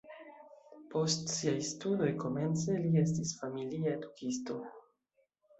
Post siaj studoj komence li estis familia edukisto.